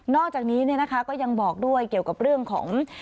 อกจากนี้ก็ยังบอกด้วยเกี่ยวกับเรื่องของ